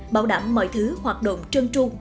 bảo đảm mọi thứ hoạt động trân trung